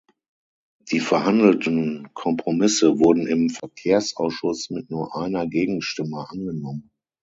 Die verhandelten Kompromisse wurden im Verkehrsausschuss mit nur einer Gegenstimme angenommen.